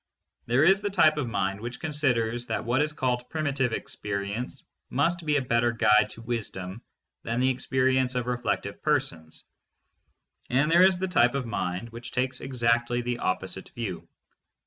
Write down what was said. There is the type of mind which considers that what is called primitive experience must be a better guide to wisdom than the experience of reflective persons, and there is the type of mind which takes exactly the oppo site view.